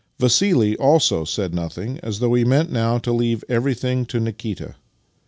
Vassili also said nothing, as though he meant now to leave everything to Nikita.